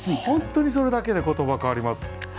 本当にそれだけで言葉変わります。